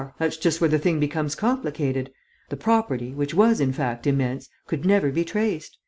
That's just where the thing becomes complicated. The property, which was, in fact, immense, could never be traced.